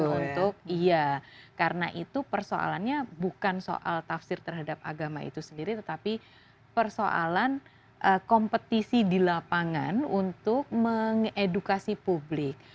untuk iya karena itu persoalannya bukan soal tafsir terhadap agama itu sendiri tetapi persoalan kompetisi di lapangan untuk mengedukasi publik